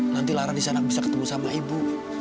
nanti lara bisa ketemu sama ibu